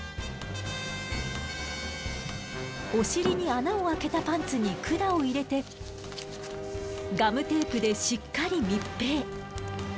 お尻に穴をあけたパンツに管を入れてガムテープでしっかり密閉。